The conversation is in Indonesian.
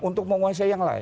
untuk menguasai yang lain